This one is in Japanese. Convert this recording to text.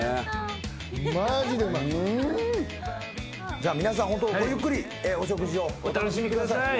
じゃあ皆さんホントごゆっくりお食事をお楽しみください。